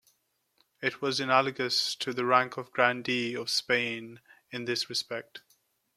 It was analogous to the rank of Grandee of Spain in this respect.